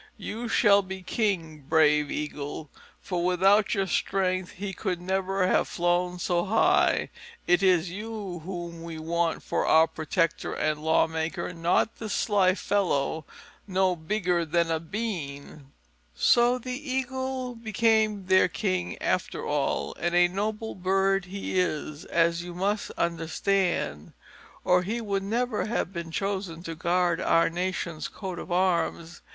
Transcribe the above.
You shall be king, brave Eagle, for without your strength he could never have flown so high. It is you whom we want for our protector and lawmaker, not this sly fellow no bigger than a bean." So the Eagle became their king, after all; and a noble bird he is, as you must understand, or he would never have been chosen to guard our nation's coat of arms.